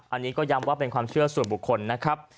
อันนี้ก็ย้ำว่าเป็นความเชื่อส่วนบุคคลนะครับ